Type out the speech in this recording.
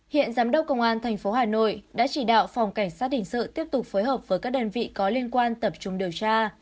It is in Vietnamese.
hiện giám đốc công an tp hà nội đã chỉ đạo phòng cảnh sát hình sự tiếp tục phối hợp với các đơn vị có liên quan tập trung điều tra